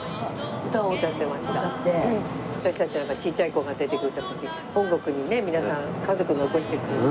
私たちなんかちっちゃい子が出てくると本国にね皆さん家族を残してきてる。